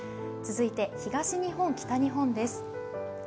続いて東日本、北日本です。